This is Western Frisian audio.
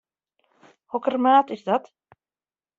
Hokker maat is dat?